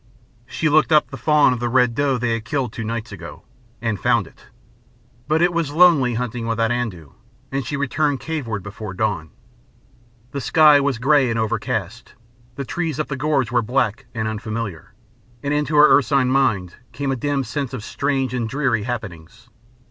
She looked up the fawn of the red doe they had killed two nights ago, and found it. But it was lonely hunting without Andoo, and she returned caveward before dawn. The sky was grey and overcast, the trees up the gorge were black and unfamiliar, and into her ursine mind came a dim sense of strange and dreary happenings.